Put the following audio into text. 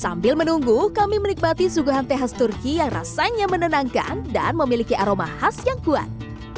sambil menunggu kami menikmati suguhan teh khas turki yang rasanya menenangkan dan memiliki aroma khas yang kuat